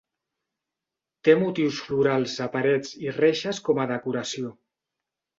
Té motius florals a parets i reixes com a decoració.